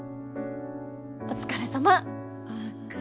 お疲れさま。